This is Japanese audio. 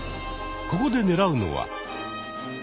ここで狙うのは。